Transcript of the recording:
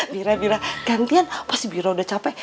bira bira gantian pas bira udah capek